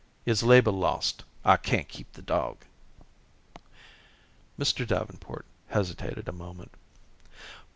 "It's labor lost. I can't keep the dog." Mr. Davenport hesitated a moment.